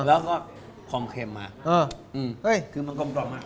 แล้วก็ความเค็มมาเอออืมเอ้ยคือมันกลมกล่อมอ่ะ